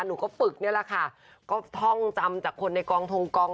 หนูก็ฝึกนี่แหละค่ะก็ท่องจำจากคนในกองทงกอง